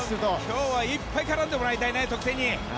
今日は得点にいっぱい絡んでもらいたいね。